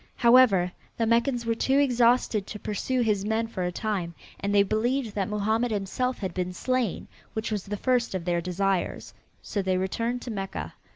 However, the Meccans were too exhausted to pursue his men for a time and they believed that Mohammed himself had been slain, which was the first of their desires. So they returned to Mecca.